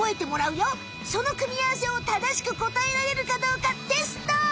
その組み合わせをただしく答えられるかどうかテスト！